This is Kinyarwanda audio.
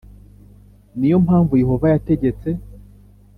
Ni yo mpamvu Yehova yategetse